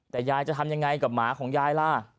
แต่ยายจะทำยังไงกับหมาของยายล่ะ